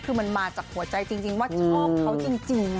คือมันมาจากหัวใจจริงว่าชอบเขาจริง